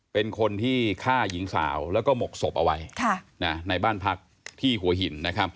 เป็นคนที่ฆ่าหญิงสาวแล้วก็หมกศพเอาไว้ในบ้านพักที่หัวหิน